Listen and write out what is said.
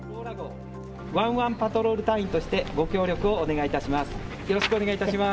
わんわんパトロール隊員としてご協力をお願いいたします。